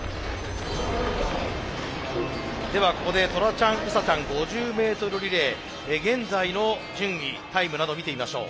ではここでトラちゃんウサちゃん５０ｍリレー現在の順位タイムなど見てみましょう。